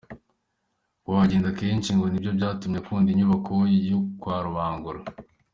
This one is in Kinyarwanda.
Kuhagenda kenshi ngo nibyo byatumye akunda inyubako yo ka Rubangura.